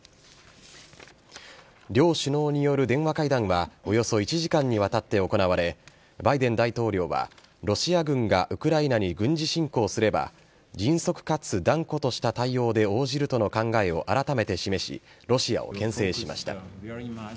両首脳による電話会談はおよそ１時間にわたって行われ、バイデン大統領はロシア軍がウクライナに軍事侵攻すれば、迅速かつ断固とした対応で応じるとの考えを改めて示し、ロシアをけん制しました。